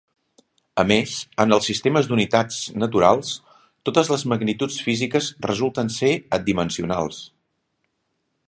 A més, en els sistemes d'unitats naturals totes les magnituds físiques resulten ser adimensionals.